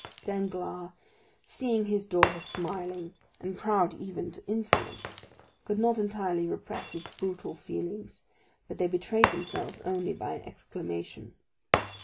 Danglars, seeing his daughter smiling, and proud even to insolence, could not entirely repress his brutal feelings, but they betrayed themselves only by an exclamation.